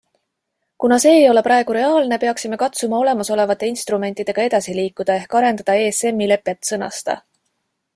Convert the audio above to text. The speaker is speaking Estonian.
Kuna see ei ole praegu reaalne, peaksime katsuma olemasolevate instrumentidega edasi liikuda ehk arendada ESM-i lepet, sõnas ta.